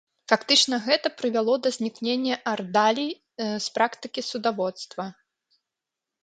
Фактычна гэта прывяло да знікнення ардалій з практыкі судаводства.